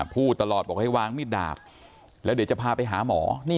พูดตลอดบอกให้วางมิดดาบแล้วเดี๋ยวจะพาไปหาหมอ